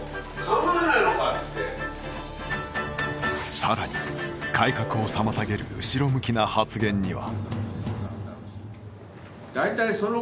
更に、改革を妨げる後ろ向きな発言には。